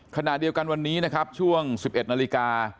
ขณะเดียวกันวันนี้นะครับช่วง๑๑นาฬิกา